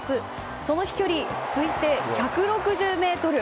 その飛距離、推定１６０ｍ。